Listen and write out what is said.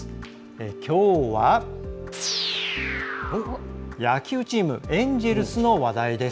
きょうは、野球チームエンジェルスの話題です。